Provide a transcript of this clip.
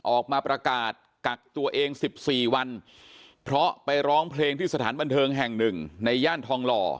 ออกมาประกาศกักตัวเอง๑๔วันเพราะไปร้องเพลงที่สถานบันเทิงแห่งหนึ่งในย่านทองหล่อ